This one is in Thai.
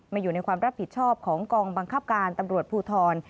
อยู่ในความรับผิดชอบของกองบังคับการตำรวจภูทร